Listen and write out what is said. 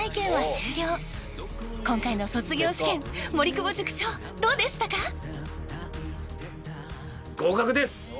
［今回の卒業試験森久保塾長どうでしたか？］